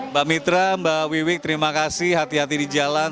mbak mitra mbak wiwi terima kasih hati hati di jalan